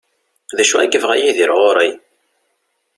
D acu i yebɣa Yidir ɣur-i?